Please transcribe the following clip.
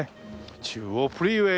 「中央フリーウェイ」